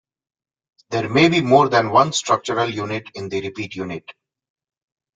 There may be more than one structural unit in the repeat unit.